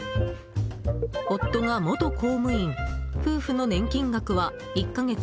夫が元公務員、夫婦の年金額は１か月